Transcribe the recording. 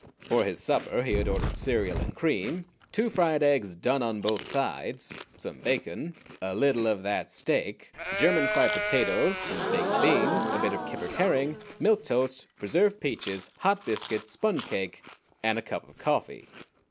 For his supper he ordered cereal and cream, two fried eggs "done on both sides," some bacon, "a little of that steak," German fried potatoes, some baked beans, a bit of kippered herring, milk toast, preserved peaches, hot biscuit, sponge cake, and a cup of coffee.